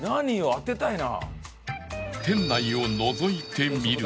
当てたいな。